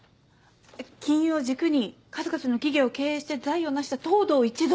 金融を軸に数々の企業を経営して財を成した藤堂一族。